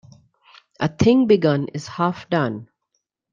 A thing begun is half done.